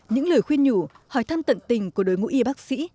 những lời khuyên nhủ hỏi thăm tận tình của đối ngũ y bác sĩ